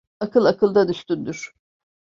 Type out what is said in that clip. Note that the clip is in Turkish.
Akıl, akıldan üstündür.